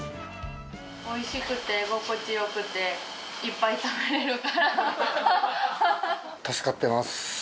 おいしくて、居心地よくて、助かってます。